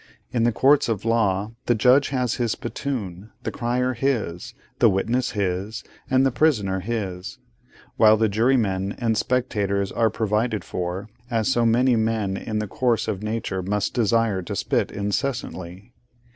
In the courts of law, the judge has his spittoon, the crier his, the witness his, and the prisoner his; while the jurymen and spectators are provided for, as so many men who in the course of nature must desire to spit incessantly.